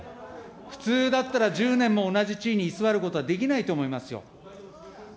普通だったら１０年も同じ地位に居座ることはできないと思いますよ。